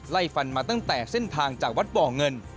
ไล่ฟันมาตั้งแต่เส้นทางจากวัดบ่อเงิน